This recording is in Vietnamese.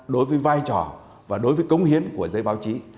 đối với vai trò và đối với công hiến của giới báo chí